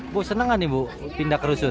bu senang gak nih bu pindah ke rusun